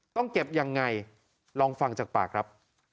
ต้องเก็บยังไงลองฟังจากปากครับ